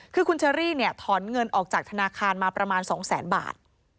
คือคุณเชอรี่เนี่ยถอนเงินออกจากธนาคารมาประมาณ๒แสนบาท